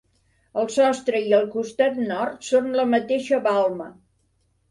El sostre i el costat nord són la mateixa balma.